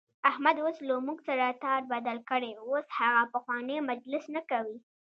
احمد اوس له موږ سره تار بدل کړی، اوس هغه پخوانی مجلس نه کوي.